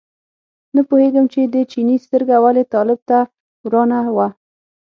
نه پوهېږم چې د چیني سترګه ولې طالب ته ورانه وه.